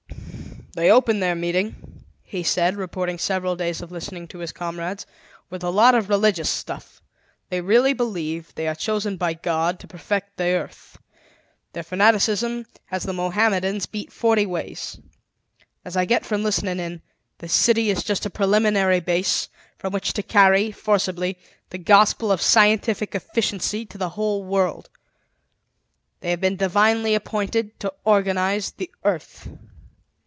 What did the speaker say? "They open their meeting," he said, reporting several days of listening to his comrades, "with a lot of religious stuff. They really believe they are chosen by God to perfect the earth. Their fanaticism has the Mohammedans beat forty ways. As I get it from listening in, this city is just a preliminary base from which to carry, forcibly, the gospel of Scientific Efficiency to the whole world. They have been divinely appointed to organize the earth.